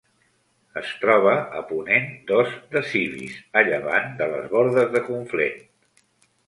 Es troba a ponent d'Os de Civís, a llevant de les Bordes de Conflent.